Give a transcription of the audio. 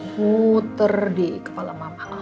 muter di kepala mama loh